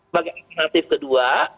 bagi alternatif kedua